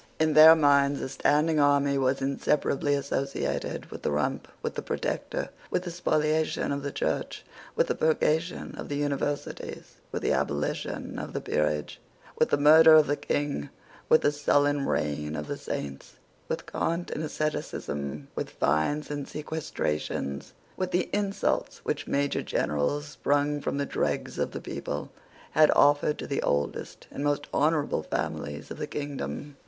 In their minds a standing army was inseparably associated with the Rump, with the Protector, with the spoliation of the Church, with the purgation of the Universities, with the abolition of the peerage, with the murder of the King, with the sullen reign of the Saints, with cant and asceticism, with fines and sequestrations, with the insults which Major Generals, sprung from the dregs of the people, had offered to the oldest and most honourable families of the kingdom.